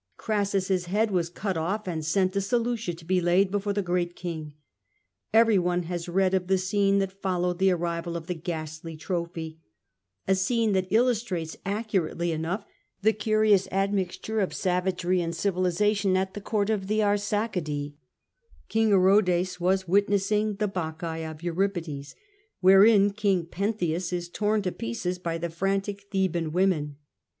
Crassus's head was cut off and sent to Seleucia to be laid before the great king. Every one has read of the scene that followed the arrival of the ghastly trophy, a scene that illustrates accurately enough the curious admixture of savagery and civilisation at the court of the Arsacidae. King Orodes was witnessing the Bacchae of Euripides, wherein King Pentheus is torn to pieces by the frantic Theban women.